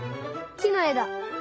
きのえだ。